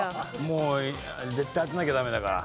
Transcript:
もう絶対当てなきゃダメだから。